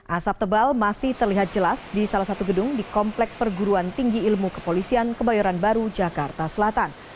asap tebal masih terlihat jelas di salah satu gedung di komplek perguruan tinggi ilmu kepolisian kebayoran baru jakarta selatan